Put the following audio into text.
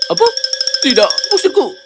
apa tidak maksudku